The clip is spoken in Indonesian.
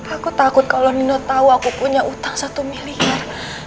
aku takut kalau nino tahu aku punya utang satu miliar